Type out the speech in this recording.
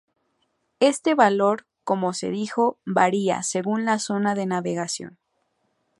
Este valor como se dijo varía según la zona de navegación.